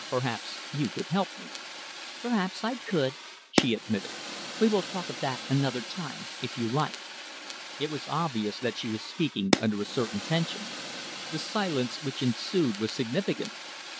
Perhaps you could help me." "Perhaps I could," she admitted. "We will talk of that another time, if you like." It was obvious that she was speaking under a certain tension. The silence which ensued was significant.